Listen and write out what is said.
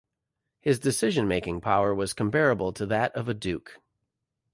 His decision-making power was comparable to that of a Duke.